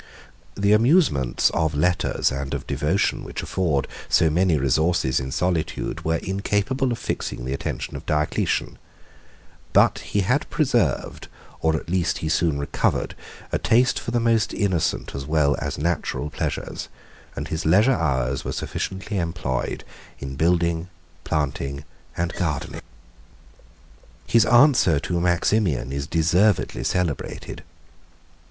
The amusements of letters and of devotion, which afford so many resources in solitude, were incapable of fixing the attention of Diocletian; but he had preserved, or at least he soon recovered, a taste for the most innocent as well as natural pleasures, and his leisure hours were sufficiently employed in building, planting, and gardening. His answer to Maximian is deservedly celebrated.